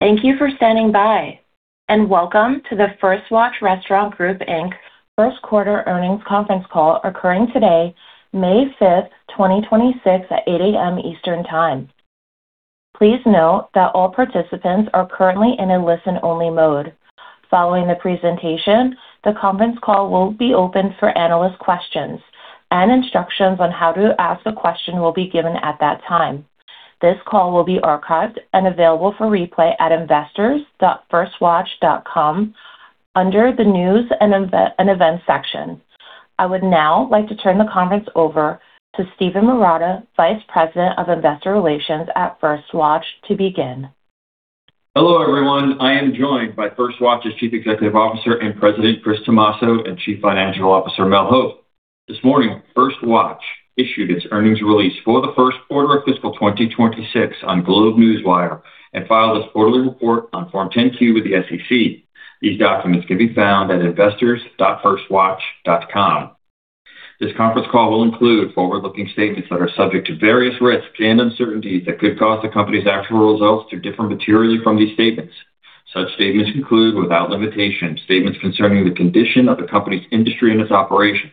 Thank you for standing by, welcome to the First Watch Restaurant Group Inc's first quarter earnings conference call occurring today, May 5th, 2026 at 8:00 A.M. Eastern Time. Please note that all participants are currently in a listen-only mode. Following the presentation, the conference call will be opened for analyst questions and instructions on how to ask a question will be given at that time. This call will be archived and available for replay at investors.firstwatch.com under the news and events section. I would now like to turn the conference over to Steven Marotta, Vice President of Investor Relations at First Watch, to begin. Hello, everyone. I am joined by First Watch's Chief Executive Officer and President, Chris Tomasso, and Chief Financial Officer, Mel Hope. This morning, First Watch issued its earnings release for the first quarter of fiscal 2026 on GlobeNewswire and filed its quarterly report on Form 10-Q with the SEC. These documents can be found at investors.firstwatch.com. This conference call will include forward-looking statements that are subject to various risks and uncertainties that could cause the company's actual results to differ materially from these statements. Such statements include, without limitation, statements concerning the condition of the company's industry and its operations,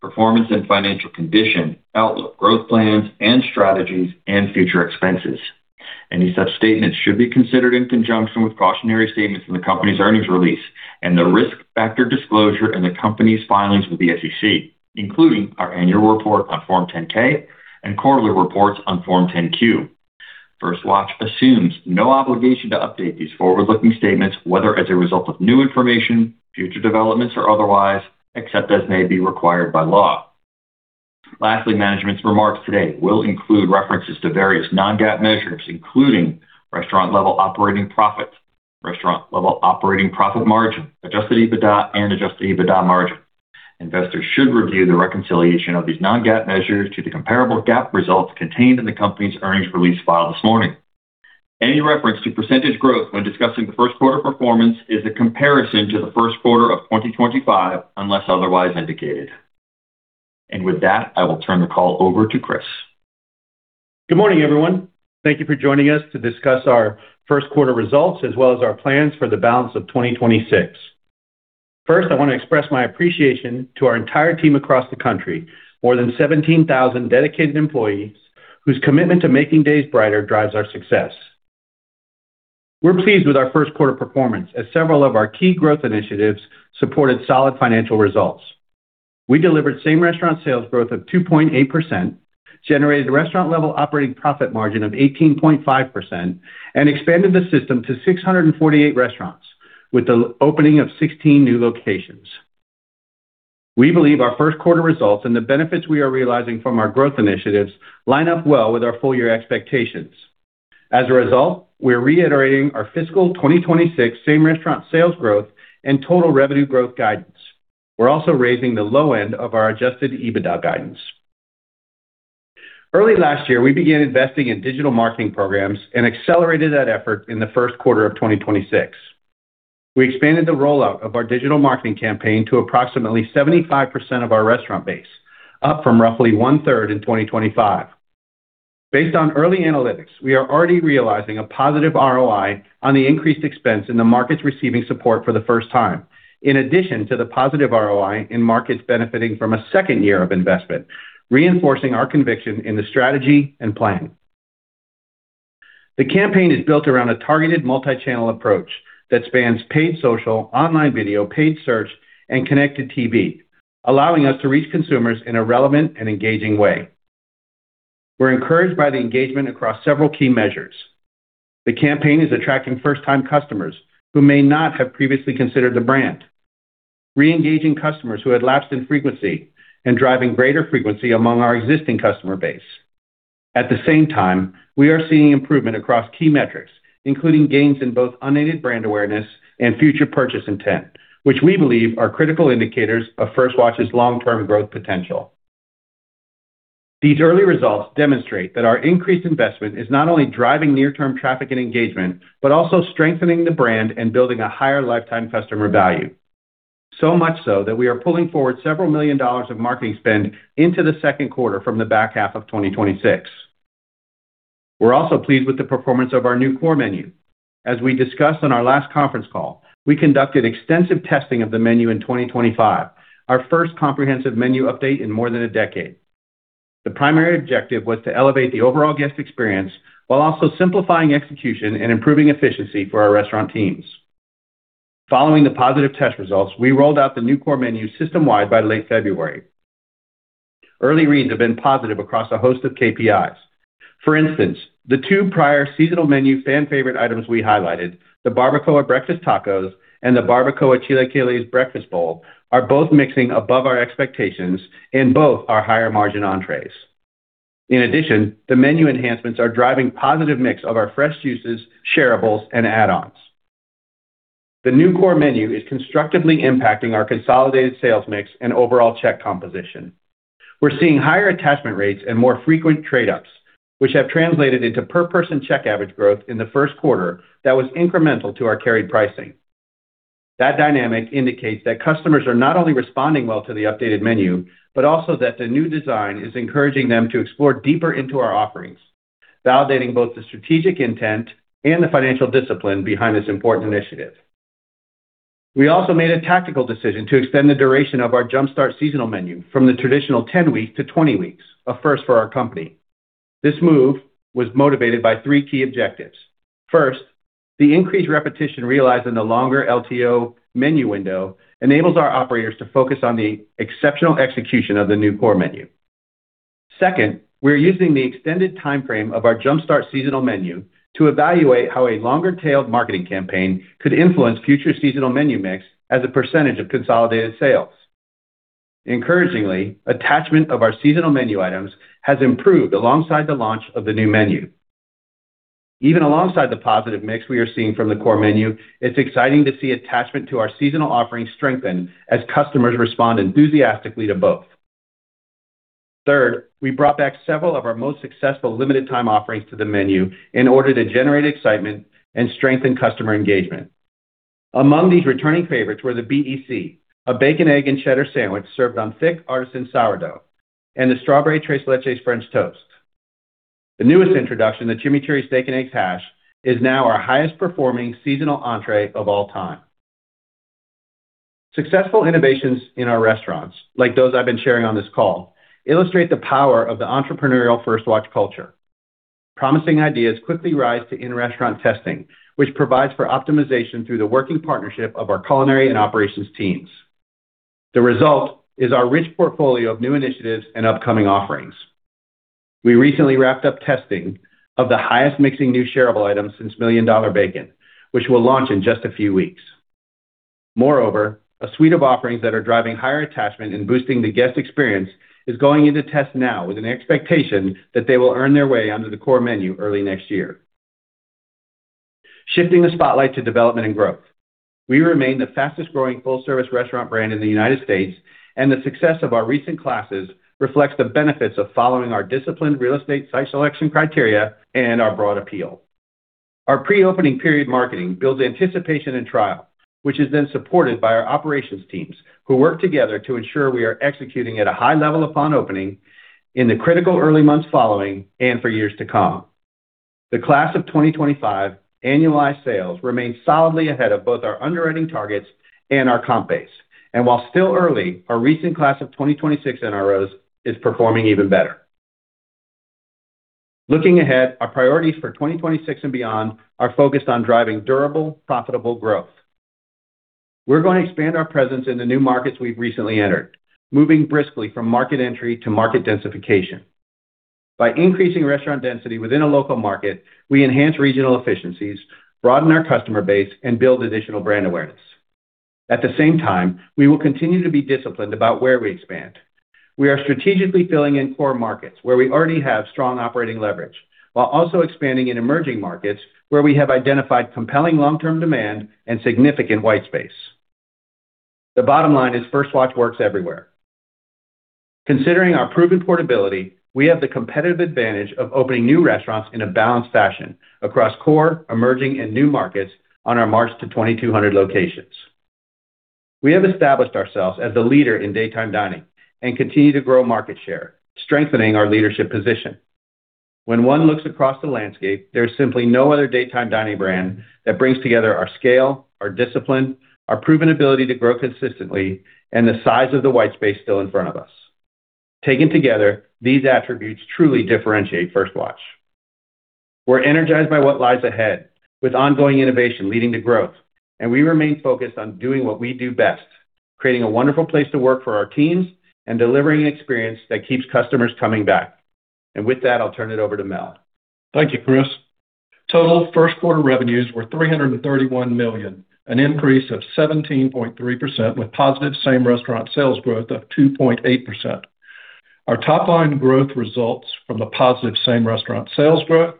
performance and financial condition, outlook, growth plans and strategies, and future expenses. Any such statements should be considered in conjunction with cautionary statements in the company's earnings release and the risk factor disclosure in the company's filings with the SEC, including our annual report on Form 10-K and quarterly reports on Form 10-Q. First Watch assumes no obligation to update these forward-looking statements, whether as a result of new information, future developments, or otherwise, except as may be required by law. Lastly, management's remarks today will include references to various non-GAAP measures, including restaurant level operating profit, restaurant level operating profit margin, adjusted EBITDA, and adjusted EBITDA margin. Investors should review the reconciliation of these non-GAAP measures to the comparable GAAP results contained in the company's earnings release filed this morning. Any reference to percentage growth when discussing the first quarter performance is a comparison to the first quarter of 2025, unless otherwise indicated. With that, I will turn the call over to Chris. Good morning, everyone. Thank you for joining us to discuss our first quarter results as well as our plans for the balance of 2026. First, I want to express my appreciation to our entire team across the country, more than 17,000 dedicated employees whose commitment to making days brighter drives our success. We're pleased with our first quarter performance as several of our key growth initiatives supported solid financial results. We delivered same-restaurant sales growth of 2.8%, generated a restaurant level operating profit margin of 18.5%, and expanded the system to 648 restaurants with the opening of 16 new locations. We believe our first quarter results and the benefits we are realizing from our growth initiatives line up well with our full year expectations. As a result, we're reiterating our fiscal 2026 same-restaurant sales growth and total revenue growth guidance. We're also raising the low end of our adjusted EBITDA guidance. Early last year, we began investing in digital marketing programs and accelerated that effort in the first quarter of 2026. We expanded the rollout of our digital marketing campaign to approximately 75% of our restaurant base, up from roughly 1/3 in 2025. Based on early analytics, we are already realizing a positive ROI on the increased expense in the markets receiving support for the first time, in addition to the positive ROI in markets benefiting from a second year of investment, reinforcing our conviction in the strategy and plan. The campaign is built around a targeted multi-channel approach that spans paid social, online video, paid search, and connected TV, allowing us to reach consumers in a relevant and engaging way. We're encouraged by the engagement across several key measures. The campaign is attracting first-time customers who may not have previously considered the brand, re-engaging customers who had lapsed in frequency, and driving greater frequency among our existing customer base. At the same time, we are seeing improvement across key metrics, including gains in both unaided brand awareness and future purchase intent, which we believe are critical indicators of First Watch's long-term growth potential. These early results demonstrate that our increased investment is not only driving near-term traffic and engagement but also strengthening the brand and building a higher lifetime customer value. So much so that we are pulling forward several million dollars of marketing spend into the second quarter from the back half of 2026. We're also pleased with the performance of our new core menu. As we discussed on our last conference call, we conducted extensive testing of the menu in 2025, our first comprehensive menu update in more than a decade. The primary objective was to elevate the overall guest experience while also simplifying execution and improving efficiency for our restaurant teams. Following the positive test results, we rolled out the new core menu system-wide by late February. Early reads have been positive across a host of KPIs. For instance, the two prior seasonal menu fan favorite items we highlighted, the Barbacoa Breakfast Tacos and the Barbacoa Chilaquiles Breakfast Bowl, are both mixing above our expectations and both are higher margin entrees. In addition, the menu enhancements are driving positive mix of our fresh juices, shareables, and add-ons. The new core menu is constructively impacting our consolidated sales mix and overall check composition. We're seeing higher attachment rates and more frequent trade-ups, which have translated into per person check average growth in the first quarter that was incremental to our carried pricing. That dynamic indicates that customers are not only responding well to the updated menu, but also that the new design is encouraging them to explore deeper into our offerings, validating both the strategic intent and the financial discipline behind this important initiative. We also made a tactical decision to extend the duration of our jumpstart seasonal menu from the traditional 10 weeks to 20 weeks, a first for our company. This move was motivated by three key objectives. First, the increased repetition realized in the longer LTO menu window enables our operators to focus on the exceptional execution of the new core menu. Second, we're using the extended timeframe of our jumpstart seasonal menu to evaluate how a longer-tailed marketing campaign could influence future seasonal menu mix as a percentage of consolidated sales. Encouragingly, attachment of our seasonal menu items has improved alongside the launch of the new menu. Even alongside the positive mix we are seeing from the core menu, it's exciting to see attachment to our seasonal offerings strengthen as customers respond enthusiastically to both. Third, we brought back several of our most successful limited time offerings to the menu in order to generate excitement and strengthen customer engagement. Among these returning favorites were The B.E.C., a bacon, egg, and cheddar sandwich served on thick artisan sourdough, and the Strawberry Tres Leches French Toast. The newest introduction, the Chimichurri Steak & Eggs Hash, is now our highest performing seasonal entree of all time. Successful innovations in our restaurants, like those I've been sharing on this call, illustrate the power of the entrepreneurial First Watch culture. Promising ideas quickly rise to in-restaurant testing, which provides for optimization through the working partnership of our culinary and operations teams. The result is our rich portfolio of new initiatives and upcoming offerings. We recently wrapped up testing of the highest mixing new shareable items since Million Dollar Bacon, which will launch in just a few weeks. Moreover, a suite of offerings that are driving higher attachment and boosting the guest experience is going into test now with an expectation that they will earn their way onto the core menu early next year. Shifting the spotlight to development and growth. We remain the fastest growing full-service restaurant brand in the United States, and the success of our recent classes reflects the benefits of following our disciplined real estate site selection criteria and our broad appeal. Our pre-opening period marketing builds anticipation and trial, which is then supported by our operations teams, who work together to ensure we are executing at a high level upon opening in the critical early months following and for years to come. The class of 2025 annualized sales remain solidly ahead of both our underwriting targets and our comp base. While still early, our recent class of 2026 NROs is performing even better. Looking ahead, our priorities for 2026 and beyond are focused on driving durable, profitable growth. We're going to expand our presence in the new markets we've recently entered, moving briskly from market entry to market densification. By increasing restaurant density within a local market, we enhance regional efficiencies, broaden our customer base, and build additional brand awareness. At the same time, we will continue to be disciplined about where we expand. We are strategically filling in core markets where we already have strong operating leverage, while also expanding in emerging markets where we have identified compelling long-term demand and significant white space. The bottom line is First Watch works everywhere. Considering our proven portability, we have the competitive advantage of opening new restaurants in a balanced fashion across core, emerging, and new markets on our march to 2,200 locations. We have established ourselves as the leader in daytime dining and continue to grow market share, strengthening our leadership position. When one looks across the landscape, there's simply no other daytime dining brand that brings together our scale, our discipline, our proven ability to grow consistently, and the size of the white space still in front of us. Taken together, these attributes truly differentiate First Watch. We're energized by what lies ahead with ongoing innovation leading to growth, and we remain focused on doing what we do best, creating a wonderful place to work for our teams and delivering an experience that keeps customers coming back. With that, I'll turn it over to Mel. Thank you, Chris. Total first quarter revenues were $331 million, an increase of 17.3% with positive same-restaurant sales growth of 2.8%. Our top line growth results from the positive same-restaurant sales growth,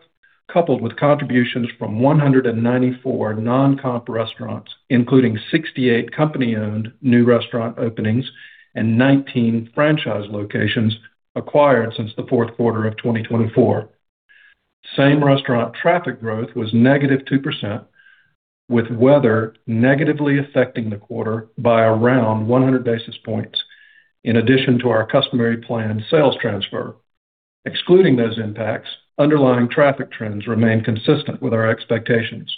coupled with contributions from 194 non-comp restaurants, including 68 company-owned new restaurant openings and 19 franchise locations acquired since the fourth quarter of 2024. Same-restaurant traffic growth was -2%, with weather negatively affecting the quarter by around 100 basis points in addition to our customary planned sales transfer. Excluding those impacts, underlying traffic trends remain consistent with our expectations.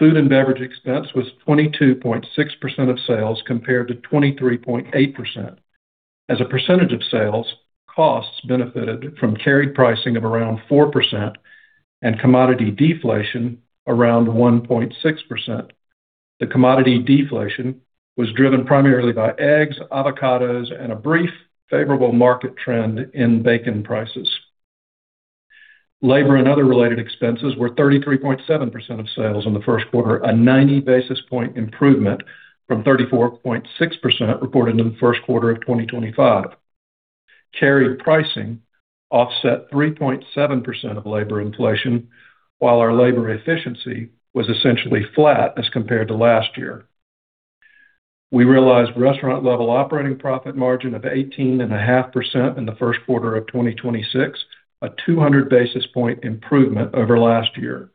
Food and beverage expense was 22.6% of sales compared to 23.8%. As a percentage of sales, costs benefited from carried pricing of around 4% and commodity deflation around 1.6%. The commodity deflation was driven primarily by eggs, avocados, and a brief favorable market trend in bacon prices. Labor and other related expenses were 33.7% of sales in the first quarter, a 90 basis point improvement from 34.6% reported in the first quarter of 2025. Carried pricing offset 3.7% of labor inflation, while our labor efficiency was essentially flat as compared to last year. We realized restaurant level operating profit margin of 18.5% in the first quarter of 2026, a 200 basis point improvement over last year.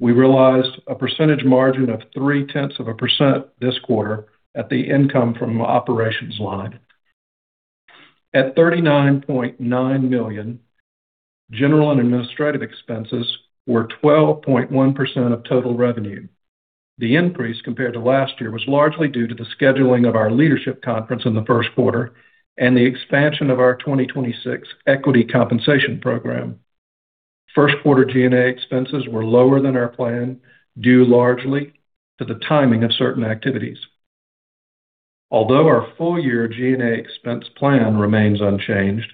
We realized a percentage margin of 0.3% this quarter at the income from operations line. At $39.9 million, general and administrative expenses were 12.1% of total revenue. The increase compared to last year was largely due to the scheduling of our leadership conference in the first quarter and the expansion of our 2026 equity compensation program. First quarter G&A expenses were lower than our plan, due largely to the timing of certain activities. Although our full year G&A expense plan remains unchanged,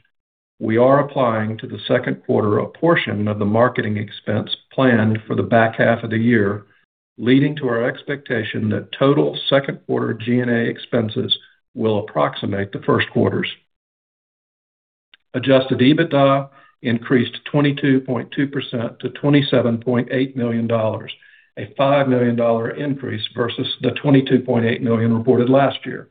we are applying to the second quarter a portion of the marketing expense planned for the back half of the year, leading to our expectation that total second quarter G&A expenses will approximate the first quarter's. Adjusted EBITDA increased 22.2% to $27.8 million, a $5 million increase versus the $22.8 million reported last year.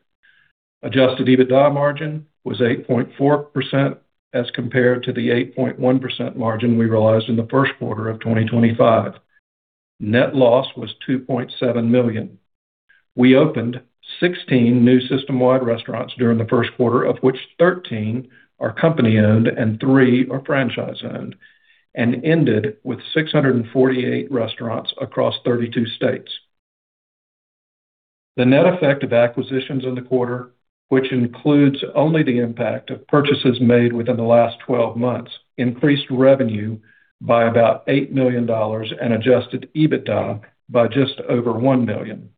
Adjusted EBITDA margin was 8.4% as compared to the 8.1% margin we realized in the first quarter of 2025. Net loss was $2.7 million. We opened 16 new system-wide restaurants during the first quarter, of which 13 are company-owned and three are franchise-owned, and ended with 648 restaurants across 32 states. The net effect of acquisitions in the quarter, which includes only the impact of purchases made within the last 12 months, increased revenue by about $8 million and adjusted EBITDA by just over $1 million.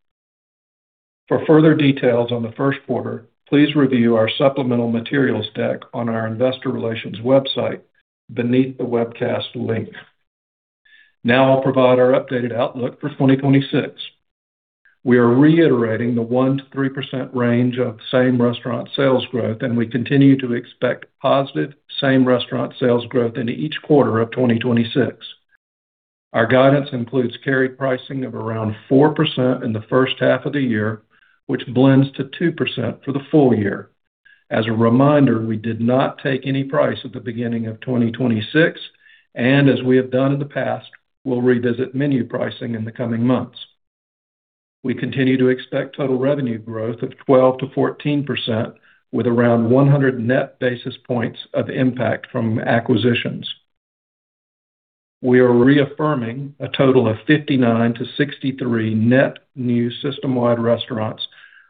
For further details on the first quarter, please review our supplemental materials deck on our investor relations website beneath the webcast link. Now I'll provide our updated outlook for 2026. We are reiterating the 1%-3% range of same-restaurant sales growth, and we continue to expect positive same-restaurant sales growth into each quarter of 2026. Our guidance includes carry pricing of around 4% in the first half of the year, which blends to 2% for the full year. As a reminder, we did not take any price at the beginning of 2026, and as we have done in the past, we'll revisit menu pricing in the coming months. We continue to expect total revenue growth of 12%-14% with around 100 net basis points of impact from acquisitions. We are reaffirming a total of 59-63 net new system-wide restaurants,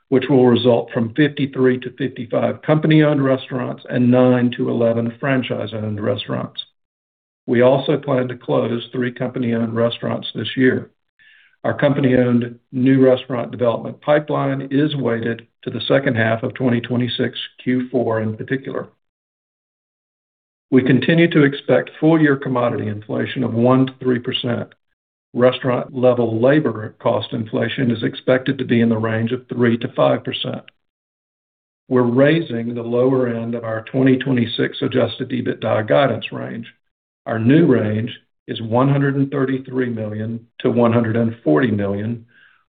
which will result from 53-55 company-owned restaurants and nine to 11 franchise-owned restaurants. We also plan to close three company-owned restaurants this year. Our company-owned new restaurant development pipeline is weighted to the second half of 2026 Q4 in particular. We continue to expect full-year commodity inflation of 1%-3%. Restaurant-level labor cost inflation is expected to be in the range of 3%-5%. We're raising the lower end of our 2026 adjusted EBITDA guidance range. Our new range is $133 million-$140 million,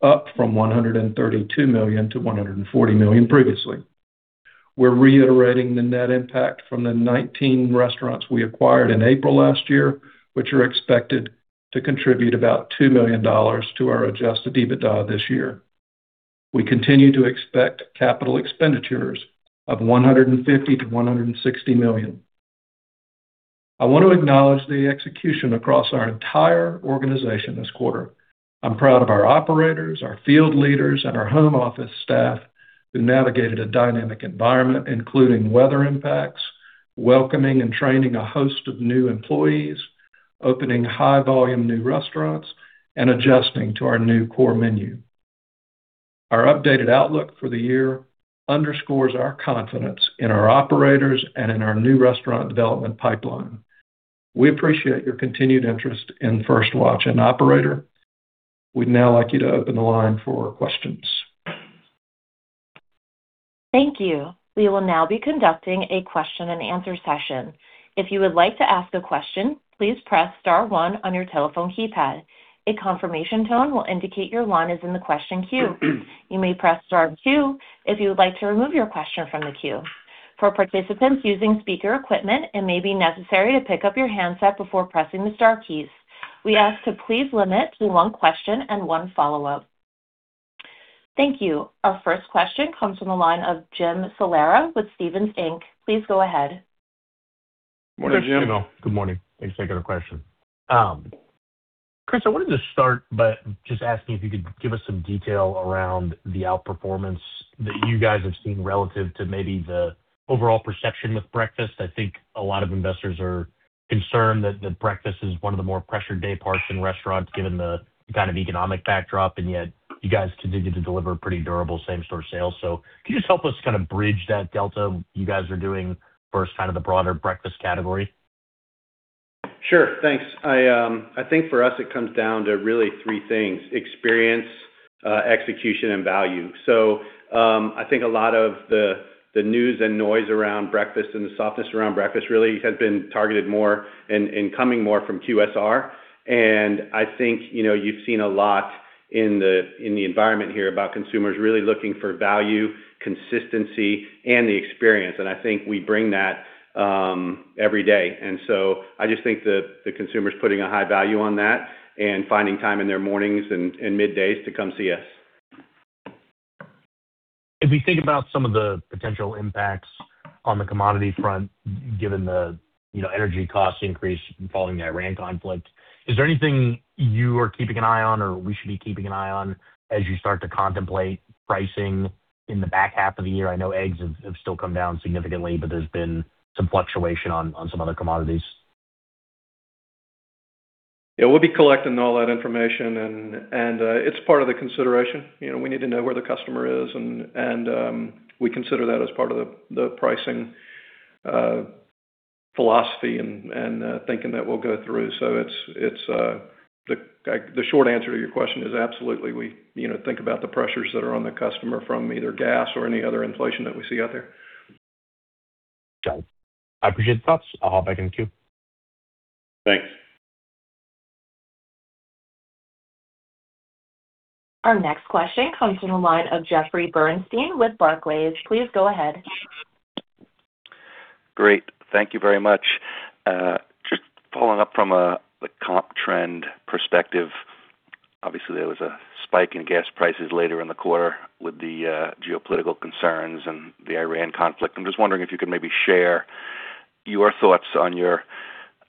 up from $132 million-$140 million previously. We're reiterating the net impact from the 19 restaurants we acquired in April last year, which are expected to contribute about $2 million to our adjusted EBITDA this year. We continue to expect capital expenditures of $150 million-$160 million. I want to acknowledge the execution across our entire organization this quarter. I'm proud of our operators, our field leaders, and our home office staff who navigated a dynamic environment, including weather impacts, welcoming and training a host of new employees, opening high volume new restaurants, and adjusting to our new core menu. Our updated outlook for the year underscores our confidence in our operators and in our new restaurant development pipeline. We appreciate your continued interest in First Watch. Operator, we'd now like you to open the line for questions. Thank you. We will now be conducting a question-and-answer session. If you would like to ask a question, please press star one on your telephone keypad. A confirmation tone will indicate your line is in the question queue. You may press star two if you would like to remove your question from the queue. For participants using speaker equipment, it may be necessary to pick up your handset before pressing the star keys. We ask that you please limit to one question and one follow up. Thank you. Our first question comes from the line of Jim Salera with Stephens Inc. Please go ahead. Morning, Jim. Good morning. Thanks for taking our question. Chris, I wanted to start by just asking if you could give us some detail around the outperformance that you guys have seen relative to maybe the overall perception with breakfast. I think a lot of investors are concerned that breakfast is one of the more pressured day parts in restaurants, given the kind of economic backdrop. Yet, you guys continue to deliver pretty durable same-store sales. Can you just help us kind of bridge that delta you guys are doing versus kind of the broader breakfast category? Sure. Thanks. I think for us, it comes down to really three things: experience, execution, and value. I think a lot of the news and noise around breakfast and the softness around breakfast really has been targeted more and coming more from QSR. I think, you know, you've seen a lot in the, in the environment here about consumers really looking for value, consistency, and the experience. I think we bring that every day. So I just think the consumer is putting a high value on that and finding time in their mornings and middays to come see us. If you think about some of the potential impacts on the commodity front, given the, you know, energy cost increase following the Iran conflict, is there anything you are keeping an eye on or we should be keeping an eye on as you start to contemplate pricing in the back half of the year? I know eggs have still come down significantly, but there's been some fluctuation on some other commodities. Yeah, we'll be collecting all that information and it's part of the consideration. You know, we need to know where the customer is and we consider that as part of the pricing philosophy and thinking that we'll go through. It's, like, the short answer to your question is absolutely we, you know, think about the pressures that are on the customer from either gas or any other inflation that we see out there. Got it. I appreciate the thoughts. I'll hop back in the queue. Thanks. Our next question comes from the line of Jeffrey Bernstein with Barclays. Please go ahead. Great. Thank you very much. Just following up from the comp trend perspective. Obviously, there was a spike in gas prices later in the quarter with the geopolitical concerns and the Iran conflict. I'm just wondering if you could maybe share your thoughts on your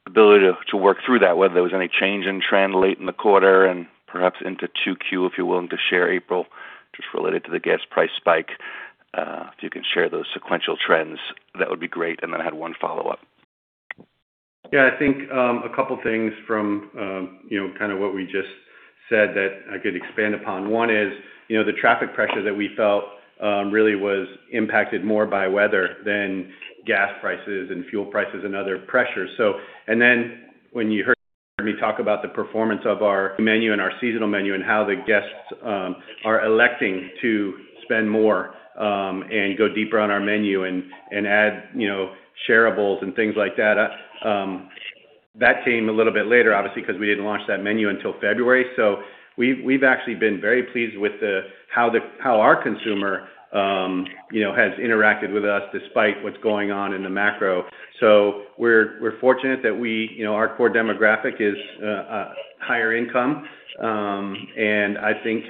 ability to work through that, whether there was any change in trend late in the quarter and perhaps into 2Q, if you're willing to share April, just related to the gas price spike. If you can share those sequential trends, that would be great. I had one follow-up. Yeah, I think, a couple of things from, you know, kind of what we just said that I could expand upon. One is, you know, the traffic pressure that we felt, really was impacted more by weather than gas prices and fuel prices and other pressures. And then when you heard me talk about the performance of our menu and our seasonal menu and how the guests are electing to spend more and go deeper on our menu and add, you know, shareables and things like that came a little bit later, obviously, because we didn't launch that menu until February. We've actually been very pleased with the, how our consumer, you know, has interacted with us despite what's going on in the macro. We're fortunate that we, you know, our core demographic is higher income, and I think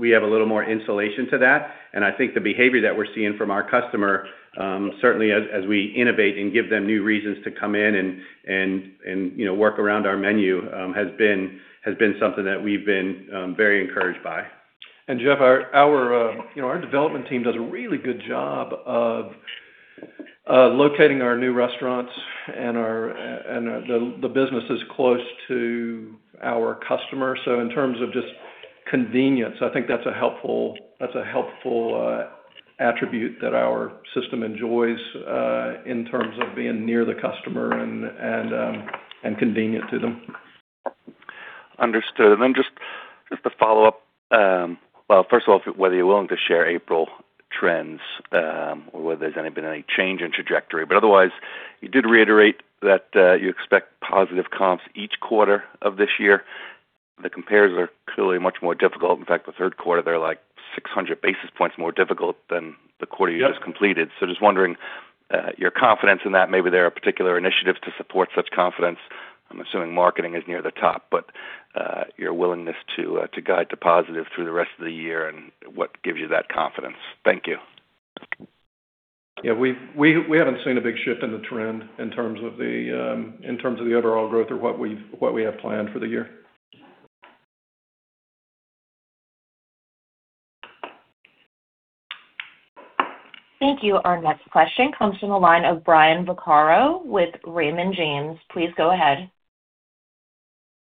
we have a little more insulation to that. I think the behavior that we're seeing from our customer, certainly as we innovate and give them new reasons to come in and, you know, work around our menu, has been something that we've been very encouraged by. Jeff, our, you know, our development team does a really good job of locating our new restaurants and the businesses close to our customer. In terms of just convenience, I think that's a helpful attribute that our system enjoys in terms of being near the customer and convenient to them. Understood. Just to follow up, first of all, whether you're willing to share April trends or whether there's been any change in trajectory. Otherwise, you did reiterate that you expect positive comps each quarter of this year. The compares are clearly much more difficult. In fact, the third quarter, they're like 600 basis points more difficult than the quarter you just completed. Just wondering, your confidence in that. Maybe there are particular initiatives to support such confidence. I'm assuming marketing is near the top, but, your willingness to guide to positive through the rest of the year and what gives you that confidence. Thank you. Yeah, we haven't seen a big shift in the trend in terms of the overall growth or what we have planned for the year. Thank you. Our next question comes from the line of Brian Vaccaro with Raymond James. Please go ahead.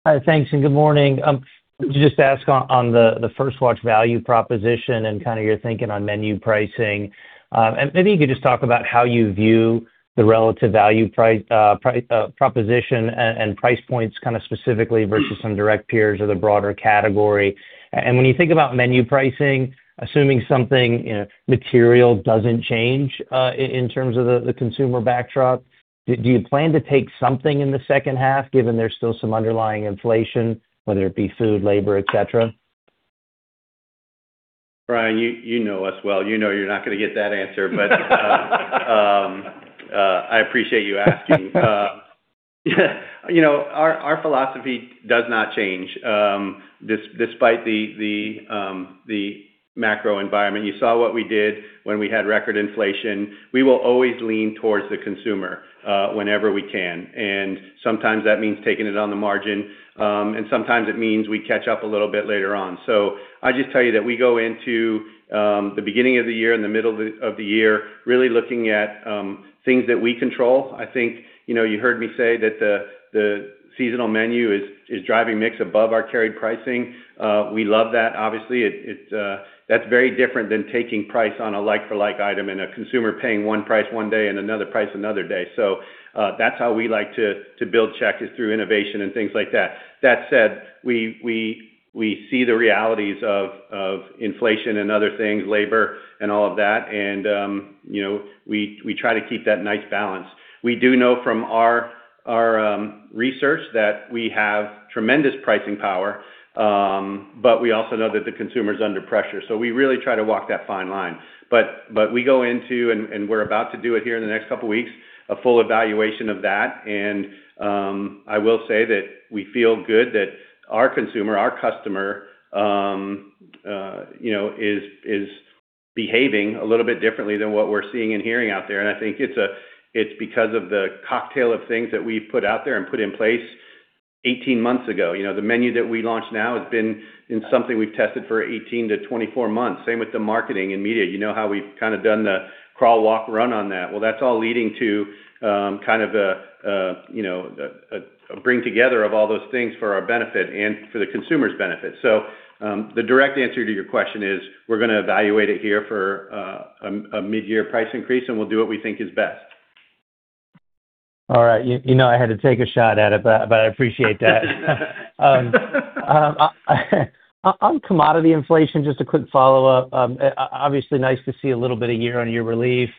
Hi, thanks, and good morning. To just ask on the First Watch value proposition and kind of your thinking on menu pricing. Maybe you could just talk about how you view the relative value proposition and price points kind of specifically versus some direct peers or the broader category. When you think about menu pricing, assuming something, you know, material doesn't change in terms of the consumer backdrop, do you plan to take something in the second half given there's still some underlying inflation, whether it be food, labor, et cetera? Brian, you know us well. You know you're not going to get that answer. I appreciate you asking. You know, our philosophy does not change despite the macro environment. You saw what we did when we had record inflation. We will always lean towards the consumer whenever we can. Sometimes that means taking it on the margin, and sometimes it means we catch up a little bit later on. I just tell you that we go into the beginning of the year and the middle of the year, really looking at things that we control. I think, you know, you heard me say that the seasonal menu is driving mix above our carried pricing. We love that, obviously. That's very different than taking price on a like-for-like item and a consumer paying one price one day and another price another day. That's how we like to build check is through innovation and things like that. That said, we see the realities of inflation and other things, labor and all of that. You know, we try to keep that nice balance. We do know from our research that we have tremendous pricing power, but we also know that the consumer's under pressure, so we really try to walk that fine line. We go into, and we're about to do it here in the next couple of weeks, a full evaluation of that. I will say that we feel good that our consumer, our customer, you know, is behaving a little bit differently than what we're seeing and hearing out there. I think it's because of the cocktail of things that we put out there and put in place 18 months ago. You know, the menu that we launched now has been something we've tested for 18-24 months. Same with the marketing and media. You know how we've kinda done the crawl, walk, run on that. That's all leading to kind of a, you know, a bring together of all those things for our benefit and for the consumer's benefit. The direct answer to your question is, we're gonna evaluate it here for a midyear price increase, and we'll do what we think is best. All right. You know I had to take a shot at it, but I appreciate that. On commodity inflation, just a quick follow-up. Obviously nice to see a little bit of year-over-year relief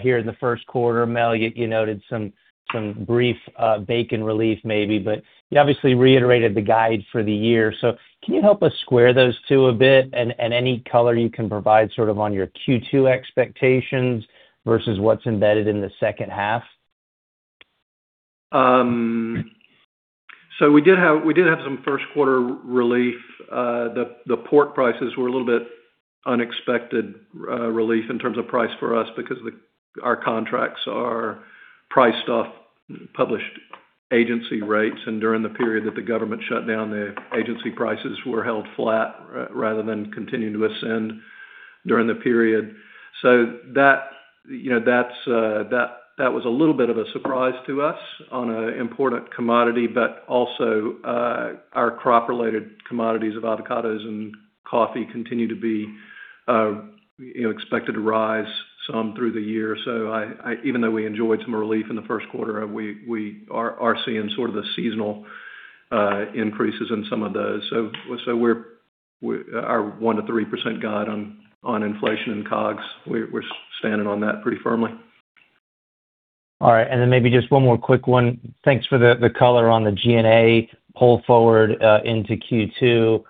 here in the first quarter. Mel, you noted some brief bacon relief maybe. You obviously reiterated the guide for the year. Can you help us square those two a bit? Any color you can provide sort of on your Q2 expectations versus what's embedded in the second half? We did have some first quarter relief. The pork prices were a little bit unexpected relief in terms of price for us because our contracts are priced off published agency rates. During the period that the government shut down, the agency prices were held flat, rather than continuing to ascend during the period. That, you know, that was a little bit of a surprise to us on an important commodity. Also, our crop related commodities of avocados and coffee continue to be, you know, expected to rise some through the year. Even though we enjoyed some relief in the first quarter, we are seeing sort of the seasonal increases in some of those. Our 1%-3% guide on inflation and COGS, we're standing on that pretty firmly. All right. Maybe just one more quick one. Thanks for the color on the G&A pull forward into Q2.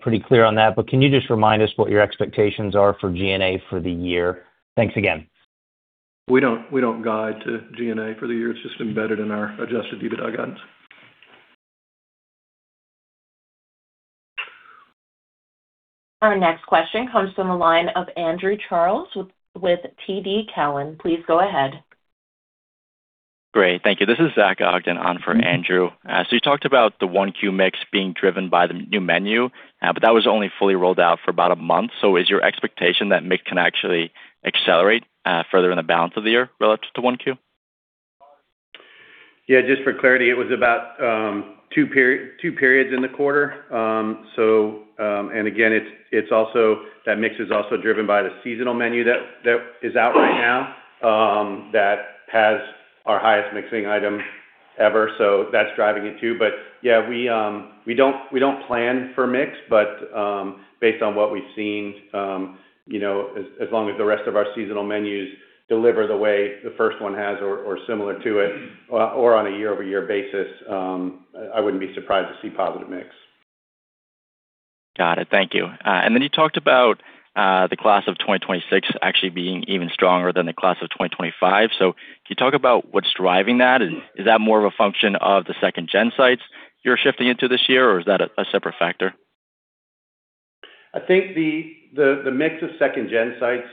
Pretty clear on that. Can you just remind us what your expectations are for G&A for the year? Thanks again. We don't guide to G&A for the year. It's just embedded in our adjusted EBITDA guidance. Our next question comes from the line of Andrew Charles with TD Cowen. Please go ahead. Great. Thank you. This is Zach Ogden on for Andrew. You talked about the 1Q mix being driven by the new menu, but that was only fully rolled out for about a month. Is your expectation that mix can actually accelerate further in the balance of the year relative to 1Q? Yeah, just for clarity, it was about two periods in the quarter. Again, it's also that mix is also driven by the seasonal menu that is out right now that has our highest mixing item ever. That's driving it too. Yeah, we don't plan for mix. Based on what we've seen, you know, as long as the rest of our seasonal menus deliver the way the first one has or similar to it or on a year-over-year basis, I wouldn't be surprised to see positive mix. Got it. Thank you. You talked about the class of 2026 actually being even stronger than the class of 2025. Can you talk about what's driving that? Is that more of a function of the second gen sites you're shifting into this year, or is that a separate factor? I think the mix of second gen sites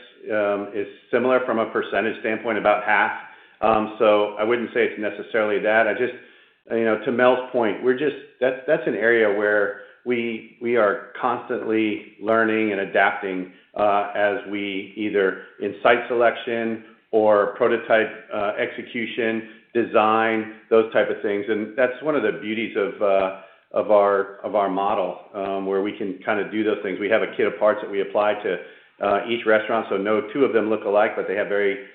is similar from a percentage standpoint, about half. I wouldn't say it's necessarily that. I just, you know, to Mel's point, we're just, that's an area where we are constantly learning and adapting as we either in site selection or prototype execution, design, those type of things. That's one of the beauties of our model where we can kinda do those things. We have a kit of parts that we apply to each restaurant, so no two of them look alike, but they have very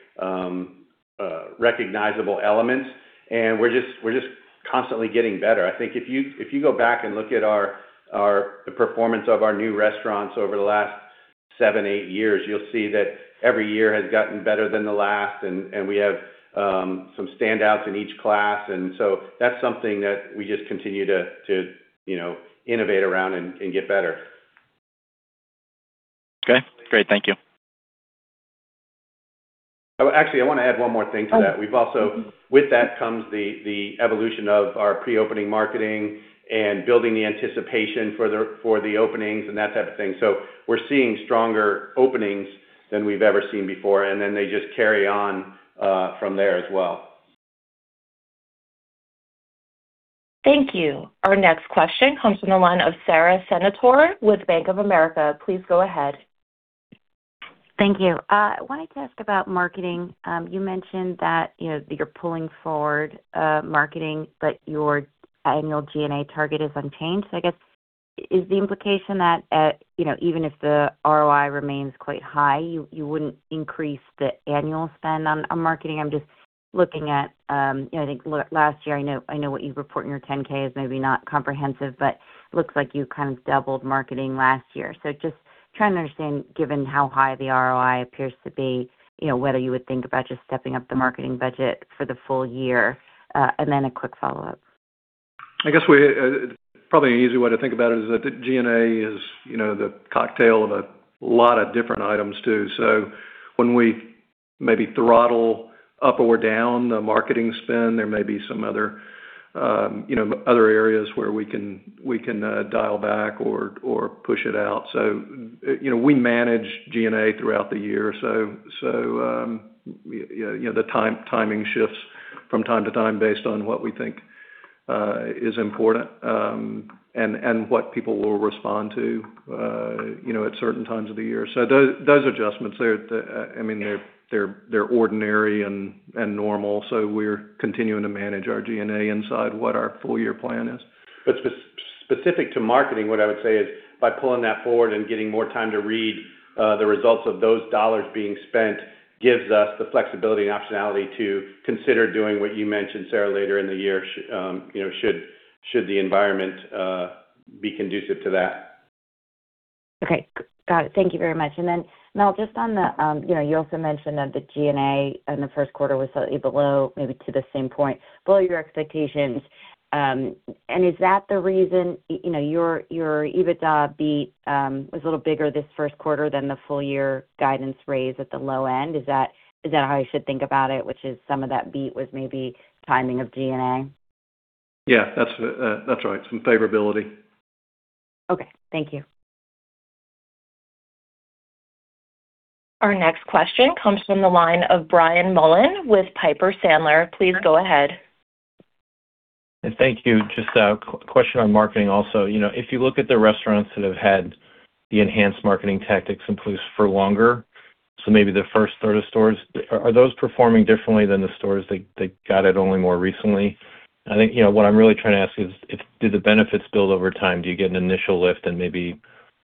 recognizable elements. We're just constantly getting better. I think if you, if you go back and look at the performance of our new restaurants over the last seven, eight years, you'll see that every year has gotten better than the last and we have some standouts in each class. That's something that we just continue to, you know, innovate around and get better. Okay, great. Thank you. Oh, actually, I wanna add one more thing to that. Oh. Mm-hmm. We've with that comes the evolution of our pre-opening marketing and building the anticipation for the openings and that type of thing. We're seeing stronger openings than we've ever seen before, and then they just carry on from there as well. Thank you. Our next question comes from the line of Sara Senatore with Bank of America. Please go ahead. Thank you. I wanted to ask about marketing. You mentioned that, you know, you're pulling forward marketing, but your annual G&A target is unchanged. I guess, is the implication that, you know, even if the ROI remains quite high, you wouldn't increase the annual spend on marketing? I'm just looking at, you know, I think last year, I know what you report in your 10-K is maybe not comprehensive, but looks like you kind of doubled marketing last year. Just trying to understand, given how high the ROI appears to be, you know, whether you would think about just stepping up the marketing budget for the full year. Then a quick follow-up. I guess we, probably an easy way to think about it is that G&A is, you know, the cocktail of a lot of different items too. When we maybe throttle up or down the marketing spend, there may be some other, you know, other areas where we can dial back or push it out. You know, we manage G&A throughout the year. You know, the timing shifts from time to time based on what we think is important and what people will respond to, you know, at certain times of the year. Those adjustments there, I mean, they're ordinary and normal. We're continuing to manage our G&A inside what our full year plan is. Specific to marketing, what I would say is by pulling that forward and getting more time to read, the results of those dollars being spent gives us the flexibility and optionality to consider doing what you mentioned, Sara, later in the year, you know, should the environment be conducive to that. Okay. Got it. Thank you very much. Mel, just on the, you know, you also mentioned that the G&A in the first quarter was slightly below, maybe to the same point, below your expectations. Is that the reason, you know, your EBITDA beat was a little bigger this first quarter than the full year guidance raise at the low end? Is that how I should think about it, which is some of that beat was maybe timing of G&A? Yeah, that's right. Some favorability. Okay. Thank you. Our next question comes from the line of Brian Mullan with Piper Sandler. Please go ahead. Thank you. Just a question on marketing also. You know, if you look at the restaurants that have had the enhanced marketing tactics in place for longer, so maybe the first third of stores, are those performing differently than the stores that got it only more recently? I think, you know, what I'm really trying to ask is do the benefits build over time? Do you get an initial lift and maybe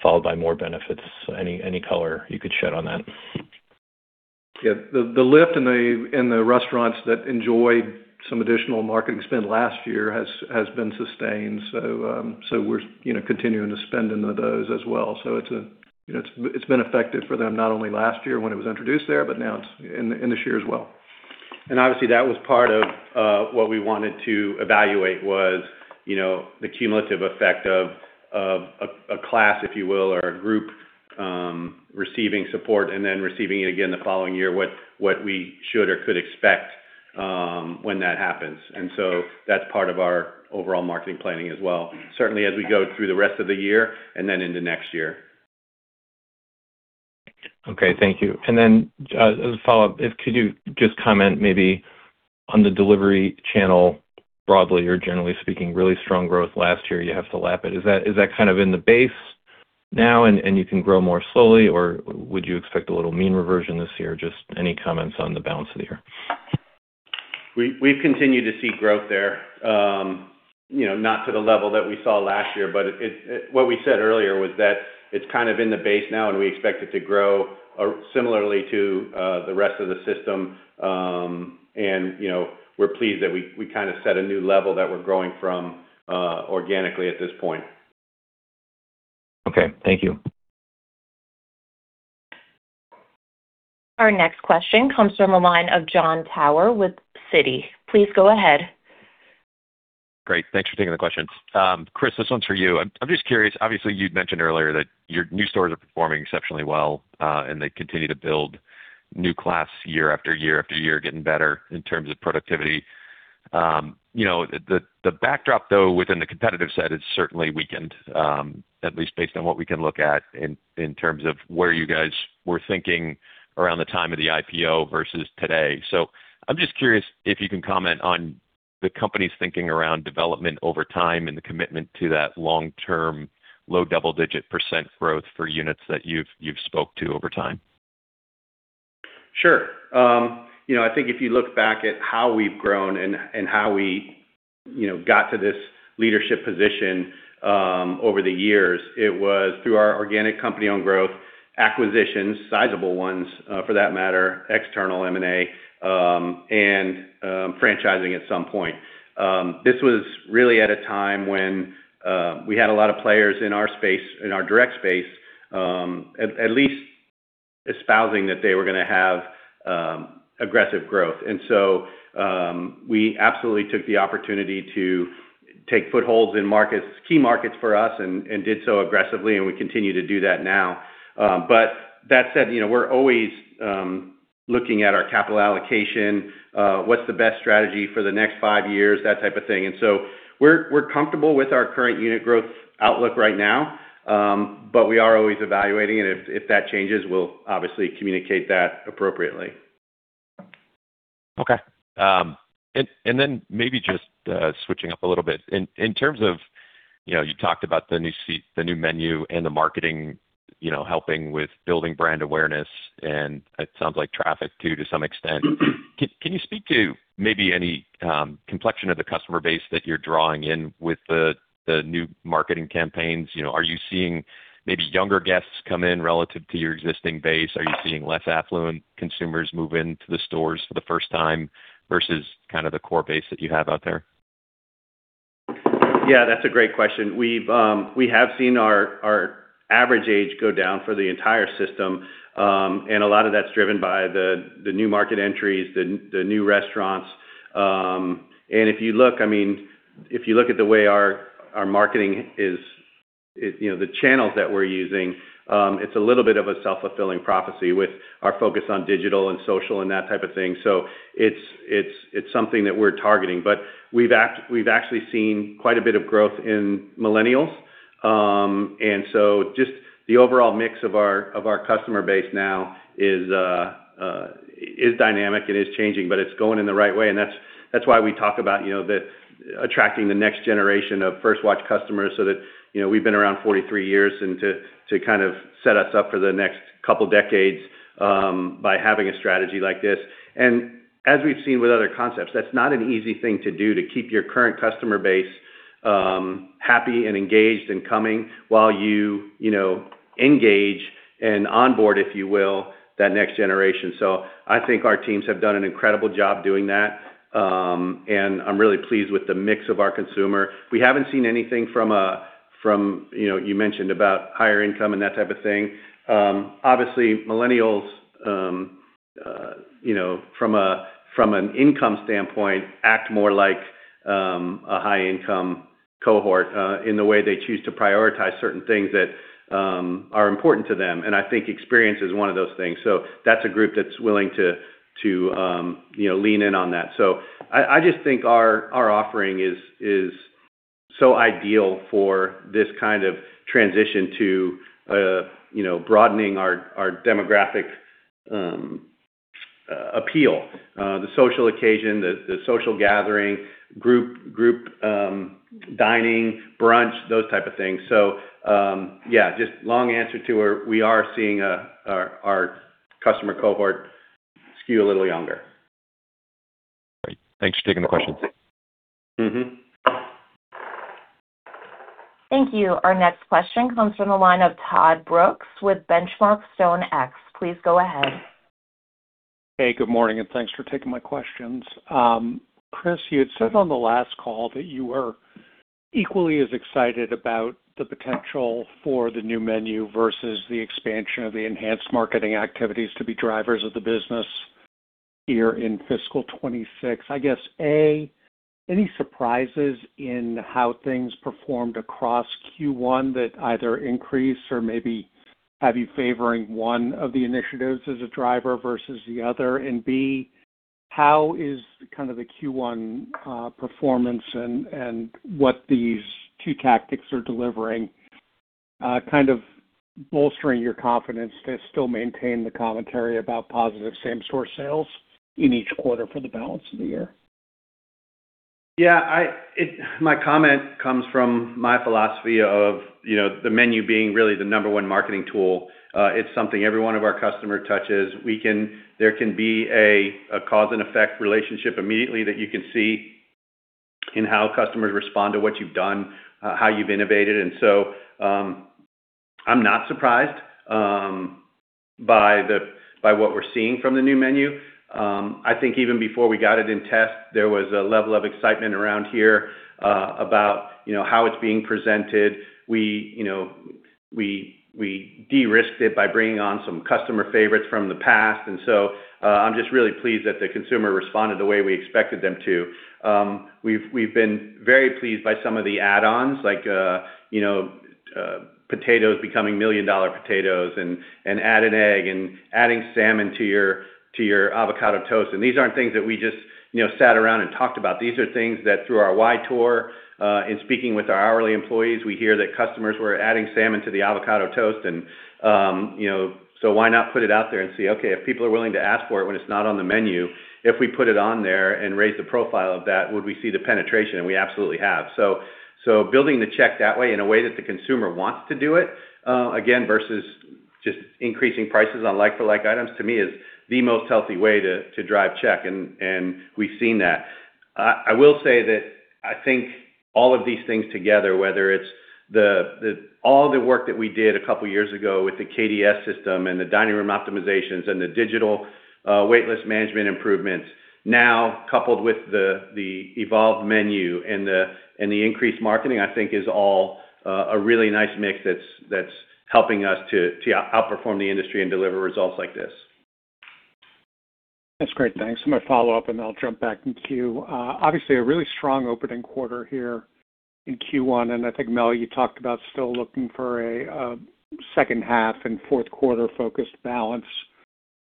followed by more benefits? Any, any color you could shed on that. Yeah. The lift in the restaurants that enjoyed some additional marketing spend last year has been sustained. We're, you know, continuing to spend into those as well. It's, you know, it's been effective for them not only last year when it was introduced there, but now it's in this year as well. Obviously, that was part of what we wanted to evaluate was, you know, the cumulative effect of a class, if you will, or a group, receiving support and then receiving it again the following year, what we should or could expect when that happens. That's part of our overall marketing planning as well, certainly as we go through the rest of the year and then into next year. Okay, thank you. Then as a follow-up, could you just comment maybe on the delivery channel broadly or generally speaking, really strong growth last year, you have to lap it. Is that kind of in the base now and you can grow more slowly, or would you expect a little mean reversion this year? Just any comments on the balance of the year? We've continued to see growth there. You know, not to the level that we saw last year, but what we said earlier was that it's kind of in the base now, and we expect it to grow similarly to the rest of the system. You know, we're pleased that we kind of set a new level that we're growing from organically at this point. Okay, thank you. Our next question comes from the line of Jon Tower with Citi. Please go ahead. Great. Thanks for taking the question. Chris, this one's for you. I'm just curious. Obviously, you'd mentioned earlier that your new stores are performing exceptionally well, and they continue to build new class year after year after year, getting better in terms of productivity. You know, the backdrop, though, within the competitive set has certainly weakened, at least based on what we can look at in terms of where you guys were thinking around the time of the IPO versus today. I'm just curious if you can comment on the company's thinking around development over time and the commitment to that long-term, low double-digit percent growth for units that you've spoke to over time. Sure. You know, I think if you look back at how we've grown and how we, you know, got to this leadership position, over the years, it was through our organic company-owned growth, acquisitions, sizable ones, for that matter, external M&A, and franchising at some point. This was really at a time when we had a lot of players in our space, in our direct space, at least espousing that they were gonna have aggressive growth. We absolutely took the opportunity to take footholds in markets, key markets for us, and did so aggressively, and we continue to do that now. That said, you know, we're always looking at our capital allocation, what's the best strategy for the next five years, that type of thing. We're comfortable with our current unit growth outlook right now, but we are always evaluating, and if that changes, we'll obviously communicate that appropriately. Okay. Then maybe just switching up a little bit. In terms of, you know, you talked about the new menu, and the marketing, you know, helping with building brand awareness, and it sounds like traffic too, to some extent. Can you speak to maybe any complexion of the customer base that you're drawing in with the new marketing campaigns? You know, are you seeing maybe younger guests come in relative to your existing base? Are you seeing less affluent consumers move into the stores for the first time versus kind of the core base that you have out there? Yeah, that's a great question. We have seen our average age go down for the entire system, and a lot of that's driven by the new market entries, the new restaurants. If you look, I mean, if you look at the way our marketing is, you know, the channels that we're using, it's a little bit of a self-fulfilling prophecy with our focus on digital and social and that type of thing. It's something that we're targeting. We've actually seen quite a bit of growth in millennials. Just the overall mix of our customer base now is dynamic and is changing, but it's going in the right way. That's why we talk about, you know, the attracting the next generation of First Watch customers so that, you know, we've been around 43 years, and to kind of set us up for the next couple of decades by having a strategy like this. As we've seen with other concepts, that's not an easy thing to do, to keep your current customer base happy and engaged and coming while you know, engage and onboard, if you will, that next generation. I think our teams have done an incredible job doing that. I'm really pleased with the mix of our consumer. We haven't seen anything from, you know, you mentioned about higher income and that type of thing. Obviously millennials, you know, from a, from an income standpoint, act more like a high-income cohort, in the way they choose to prioritize certain things that are important to them. I think experience is one of those things. That's a group that's willing to, you know, lean in on that. I just think our offering is so ideal for this kind of transition to, you know, broadening our demographic appeal. The social occasion, the social gathering, group dining, brunch, those type of things. Yeah, just long answer to where we are seeing our customer cohort skew a little younger. Great. Thanks for taking the question. Thank you. Our next question comes from the line of Todd Brooks with Benchmark StoneX. Please go ahead. Hey, good morning, and thanks for taking my questions. Chris, you had said on the last call that you were equally as excited about the potential for the new menu versus the expansion of the enhanced marketing activities to be drivers of the business here in fiscal 2026. I guess, A, any surprises in how things performed across Q1 that either increased or maybe have you favoring one of the initiatives as a driver versus the other? B, how is kind of the Q1 performance and what these two tactics are delivering, kind of bolstering your confidence to still maintain the commentary about positive same-store sales in each quarter for the balance of the year? Yeah, my comment comes from my philosophy of, you know, the menu being really the number one marketing tool. It's something every one of our customer touches. There can be a cause and effect relationship immediately that you can see in how customers respond to what you've done, how you've innovated. I'm not surprised by what we're seeing from the new menu. I think even before we got it in test, there was a level of excitement around here about, you know, how it's being presented. We, you know, we de-risked it by bringing on some customer favorites from the past. I'm just really pleased that the consumer responded the way we expected them to. We've been very pleased by some of the add-ons like potatoes becoming Million Dollar Potatoes and add an egg and adding salmon to your avocado toast. These aren't things that we just sat around and talked about. These are things that through our Why Tour, in speaking with our hourly employees, we hear that customers were adding salmon to the avocado toast, why not put it out there and see, okay, if people are willing to ask for it when it's not on the menu, if we put it on there and raise the profile of that, would we see the penetration? We absolutely have. Building the check that way in a way that the consumer wants to do it, again, versus just increasing prices on like-for-like items, to me is the most healthy way to drive check. We've seen that. I will say that I think all of these things together, whether it's the work that we did a couple of years ago with the KDS system and the dining room optimizations and the digital waitlist management improvements, now coupled with the evolved menu and the increased marketing, I think is all a really nice mix that's helping us to outperform the industry and deliver results like this. That's great. Thanks. I'm gonna follow up, and I'll jump back in queue. Obviously a really strong opening quarter here in Q1, and I think, Mel, you talked about still looking for a second half and fourth quarter-focused balance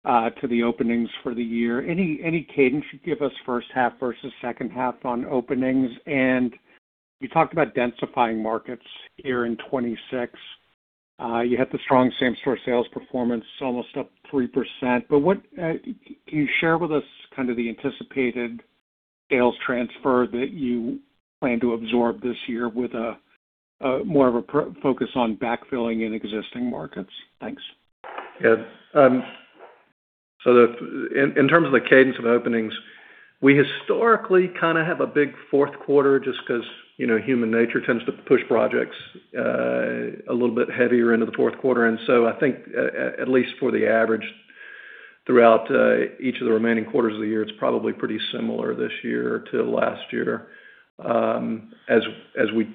to the openings for the year. Any cadence you'd give us first half versus second half on openings? You talked about densifying markets here in 2026. You had the strong same-store sales performance, almost up 3%. What can you share with us kind of the anticipated sales transfer that you plan to absorb this year with a more of a focus on backfilling in existing markets? Thanks. Yeah. In terms of the cadence of openings, we historically kinda have a big fourth quarter just 'cause, you know, human nature tends to push projects a little bit heavier into the fourth quarter. I think at least for the average throughout each of the remaining quarters of the year, it's probably pretty similar this year to last year, as we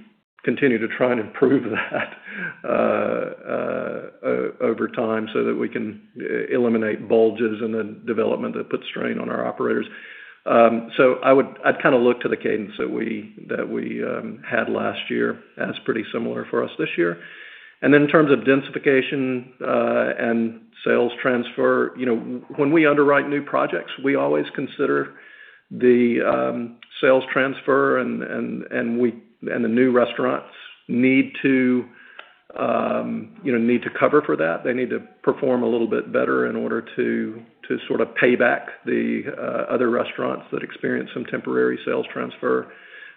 continue to try and improve that over time so that we can eliminate bulges in the development that put strain on our operators. I'd kinda look to the cadence that we had last year as pretty similar for us this year. Then in terms of densification, and sales transfer, you know, when we underwrite new projects, we always consider the sales transfer and the new restaurants need to, you know, need to cover for that. They need to perform a little bit better in order to sort of pay back the other restaurants that experience some temporary sales transfer.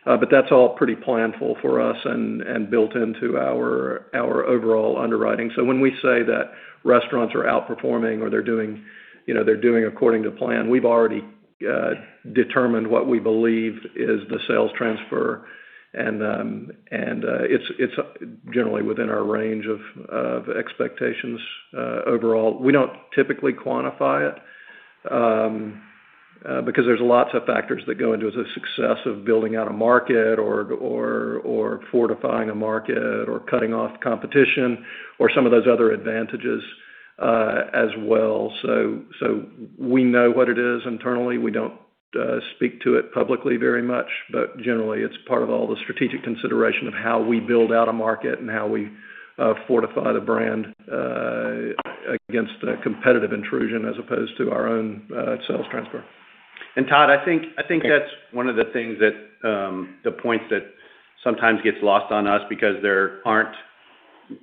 That's all pretty planful for us and built into our overall underwriting. When we say that restaurants are outperforming or they're doing, you know, they're doing according to plan, we've already determined what we believe is the sales transfer. It's generally within our range of expectations. Overall, we don't typically quantify it, because there's lots of factors that go into the success of building out a market or fortifying a market, or cutting off competition, or some of those other advantages, as well. We know what it is internally. We don't speak to it publicly very much. Generally, it's part of all the strategic consideration of how we build out a market and how we fortify the brand against a competitive intrusion as opposed to our own sales transfer. Todd, I think that's one of the things that the points that sometimes gets lost on us because there aren't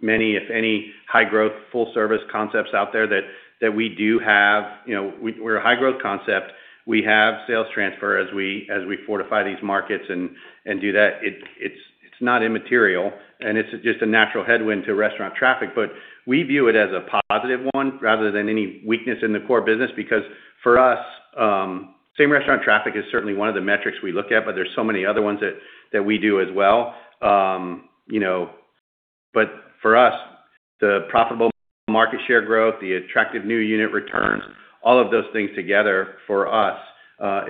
many, if any, high growth, full service concepts out there that we do have. You know, we're a high growth concept. We have sales transfer as we fortify these markets and do that. It's not immaterial, and it's just a natural headwind to restaurant traffic. We view it as a positive one rather than any weakness in the core business. For us, same restaurant traffic is certainly one of the metrics we look at, but there's so many other ones that we do as well. You know, but for us, the profitable market share growth, the attractive new unit returns, all of those things together for us,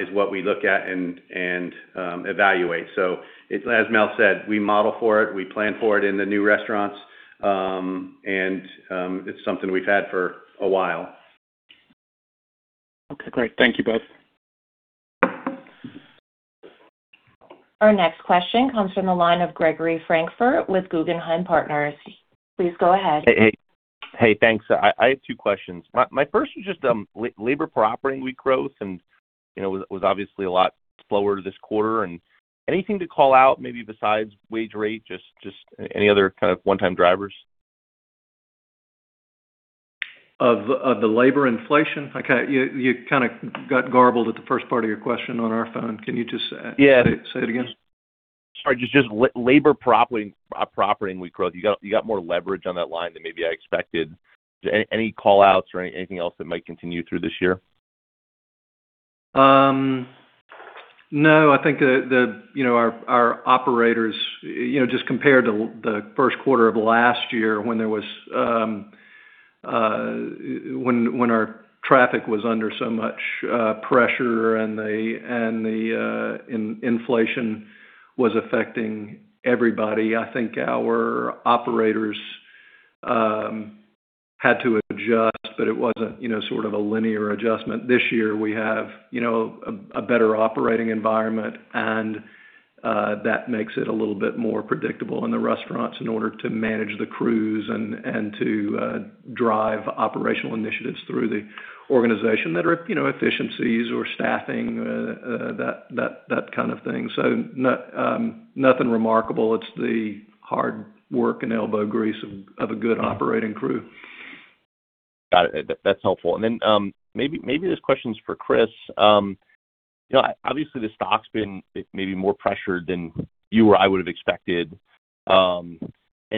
is what we look at and evaluate. It's as Mel said, we model for it, we plan for it in the new restaurants, and it's something we've had for a while. Okay, great. Thank you both. Our next question comes from the line of Gregory Francfort with Guggenheim Partners. Please go ahead. Hey, thanks. I have two questions. My first was just labor for operating week growth and, you know, it was obviously a lot slower this quarter. Anything to call out, maybe besides wage rate, any other kind of one-time drivers? Of the labor inflation? You kinda got garbled at the first part of your question on our phone. Can you just say it again? Sorry. Just labor per operating week growth. You got more leverage on that line than maybe I expected. Any call outs or anything else that might continue through this year? No, I think the, you know, our operators, you know, just compared to the first quarter of last year when there was, when our traffic was under so much pressure and the inflation was affecting everybody. I think our operators had to adjust, but it wasn't, you know, sort of a linear adjustment. This year, we have, you know, a better operating environment, and that makes it a little bit more predictable in the restaurants in order to manage the crews and to drive operational initiatives through the organization that are, you know, efficiencies or staffing, that kind of thing. Nothing remarkable. It's the hard work and elbow grease of a good operating crew. Got it. That's helpful. Then, maybe this question's for Chris. You know, obviously the stock's been maybe more pressured than you or I would have expected. The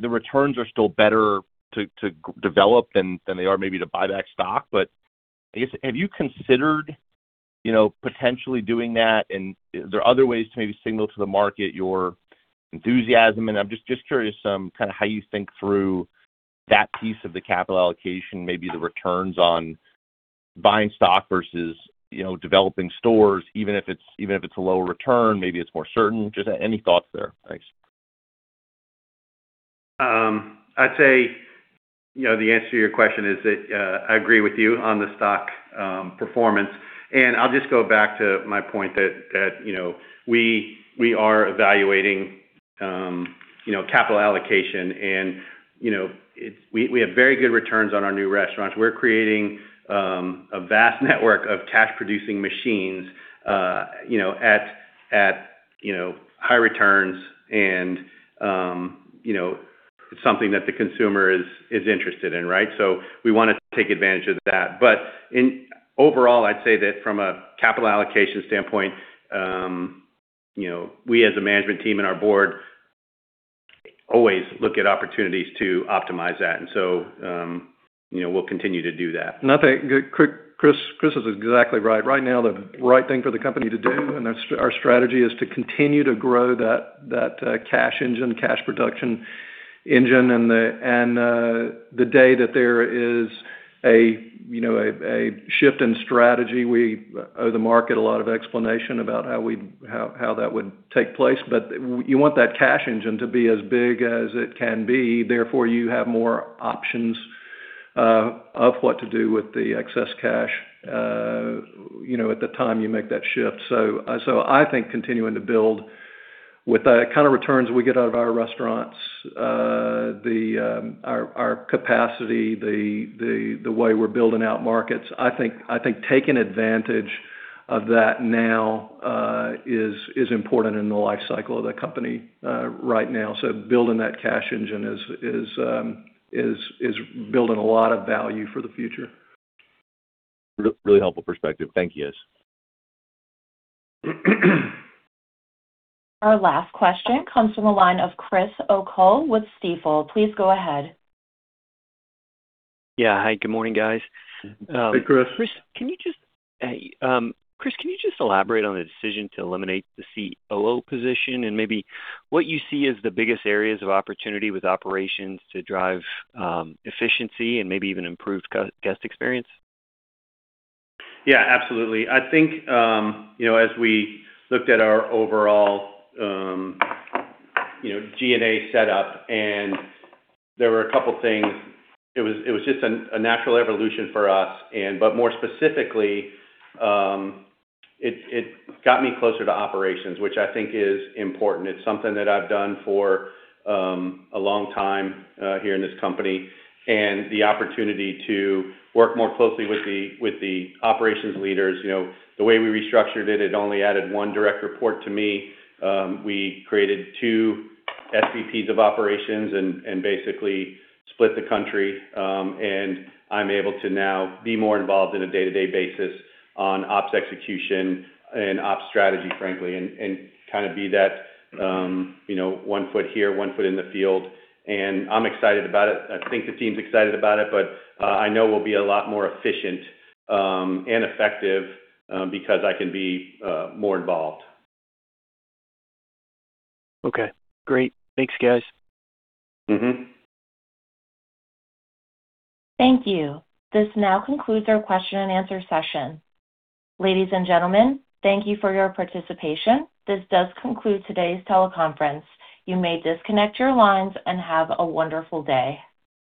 returns are still better to develop than they are maybe to buy back stock. I guess, have you considered, you know, potentially doing that? Are there other ways to maybe signal to the market your enthusiasm? I'm just curious, kinda how you think through that piece of the capital allocation, maybe the returns on buying stock versus, you know, developing stores, even if it's a lower return, maybe it's more certain. Just any thoughts there? Thanks. I'd say, you know, the answer to your question is that I agree with you on the stock performance. I'll just go back to my point that, you know, we are evaluating, you know, capital allocation and, you know, we have very good returns on our new restaurants. We're creating, a vast network of cash producing machines, you know, at, you know, high returns and, you know, something that the consumer is interested in, right? We wanna take advantage of that. Overall, I'd say that from a capital allocation standpoint, you know, we as a management team and our board always look at opportunities to optimize that. You know, we'll continue to do that. I think Chris is exactly right. Right now, the right thing for the company to do, and that's our strategy, is to continue to grow that cash engine, cash production. The day that there is a, you know, a shift in strategy, we owe the market a lot of explanation about how that would take place. You want that cash engine to be as big as it can be, therefore, you have more options of what to do with the excess cash, you know, at the time you make that shift. I think continuing to build with the kind of returns we get out of our restaurants, the our capacity, the way we're building out markets, I think taking advantage of that now is important in the life cycle of the company right now. Building that cash engine is building a lot of value for the future. Really helpful perspective. Thank you, guys. Our last question comes from the line of Chris O'Cull with Stifel. Please go ahead. Yeah. Hi, good morning, guys. Hey, Chris. Hey. Chris, can you just elaborate on the decision to eliminate the COO position, and maybe what you see as the biggest areas of opportunity with operations to drive efficiency and maybe even improved guest experience? Absolutely. I think, you know, as we looked at our overall, you know, G&A setup, there were a couple things, it was just a natural evolution for us. More specifically, it got me closer to operations, which I think is important. It's something that I've done for a long time here in this company. The opportunity to work more closely with the operations leaders, you know, the way we restructured it only added one direct report to me. We created two SVPs of operations and basically split the country. I'm able to now be more involved on a day-to-day basis on ops execution and ops strategy, frankly, and kind of be that, you know, one foot here, one foot in the field. I'm excited about it. I think the team's excited about it, but I know we'll be a lot more efficient and effective because I can be more involved. Okay, great. Thanks, guys. Thank you. This now concludes our question-and-answer session. Ladies and gentlemen, thank you for your participation. This does conclude today's teleconference. You may disconnect your lines and have a wonderful day.